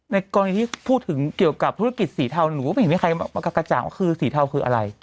ในกรณีที่พูดถึงเกี่ยวกับธุรกิจสีเทาหนูก็ไม่เห็นมีใครมากระจ่างว่าคือสีเทาคืออะไร